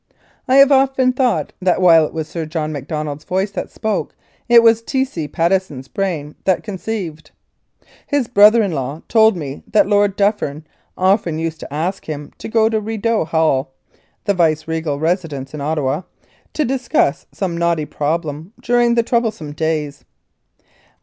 I have often thought that while it was Sir John Macdonald's voice that spoke, it was T. C. Patteson's brain that conceived. His brother in law told me that Lord Dufferin often used to ask him to go to Rideau Hall (the viceregal residence in Ottawa) to discuss some knotty problem during the troublous days.